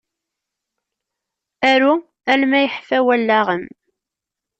Aru arma yeḥfa wallaɣ-am.